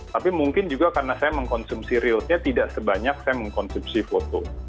tapi mungkin juga karena saya mengkonsumsi realnya tidak sebanyak saya mengkonsumsi foto